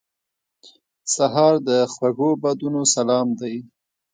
سهار د خوږو بادونو سلام دی.